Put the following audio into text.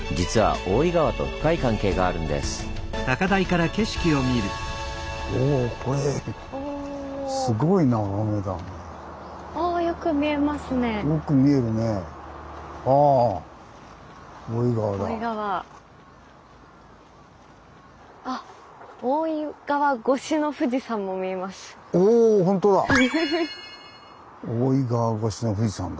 大井川越しの富士山だ。